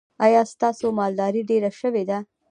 ایا ستاسو مالداري ډیره شوې ده؟